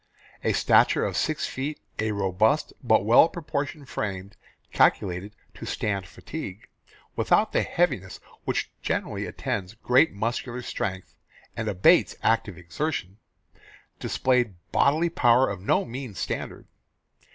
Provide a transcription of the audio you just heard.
A stature of six feet, a robust but well proportioned frame calculated to stand fatigue, without that heaviness which generally attends great muscular strength and abates active exertion, displayed bodily power of no mean standard.